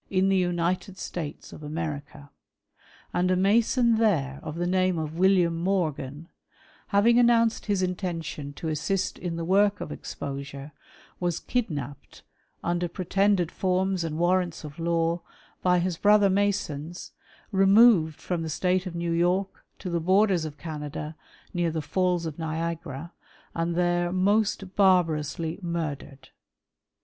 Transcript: '' in the United States of America ; and a Mason there of the " name of William Morgan, having announced his intention to " assist in the work of exposure, was kidnapped under pretended " forms and warrants of law, by his brother Masons, removed from " the State of New York to the borders of Canada, near the falls of ''Niagara, and there most barbarously murdered.